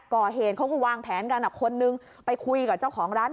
ก่อเหตุเขาก็วางแผนกันคนนึงไปคุยกับเจ้าของร้าน